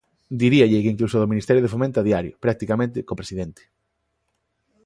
Diríalle que incluso do Ministerio de Fomento a diario, practicamente, co presidente.